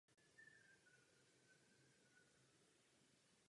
Je proto nezbytné vytvořit další síť.